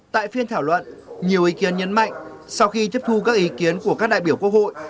tại phiên thảo luận nhiều ý kiến nhấn mạnh sau khi tiếp thu các ý kiến của các đại biểu quốc hội